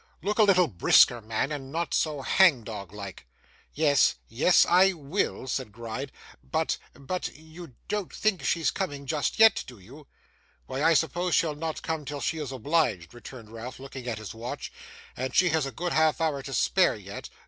Look a little brisker, man, and not so hangdog like!' 'Yes, yes, I will,' said Gride. 'But but you don't think she's coming just yet, do you?' 'Why, I suppose she'll not come till she is obliged,' returned Ralph, looking at his watch, 'and she has a good half hour to spare yet.